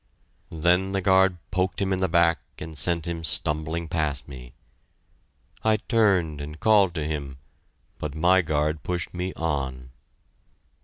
Then the guard poked him in the back and sent him stumbling past me. I turned and called to him, but my guard pushed me on.